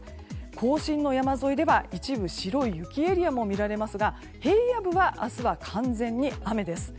甲信の山沿いでは一部白い雪エリアも見られますが平野部は明日は完全に雨です。